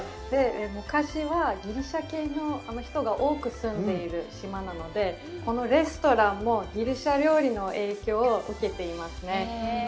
昔はギリシャ系の人が多く住んでいる島なので、このレストランもギリシャ料理の影響を受けていますね。